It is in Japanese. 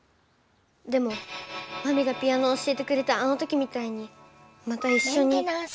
でもまみがピアノを教えてくれたあのときみたいにまたいっしょに。